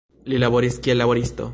Li laboris kiel laboristo.